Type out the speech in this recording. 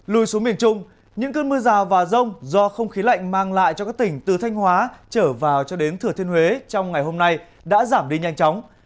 lùi xuống miền trung những cơn mưa rào và rông do không khí lạnh mang lại cho các tỉnh từ thanh hóa trở vào cho đến thừa thiên huế trong ngày hôm nay đã giảm đi nhanh chóng